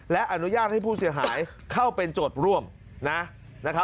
และอนุญาตให้ผู้เสียหายเข้าเป็นโจทย์ร่วม